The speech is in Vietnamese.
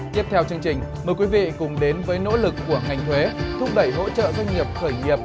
tiếp theo chương trình mời quý vị cùng đến với nỗ lực của ngành thuế thúc đẩy hỗ trợ doanh nghiệp khởi nghiệp